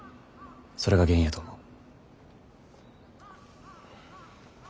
それが原因やと思う。